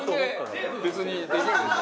自分で別にできるでしょ。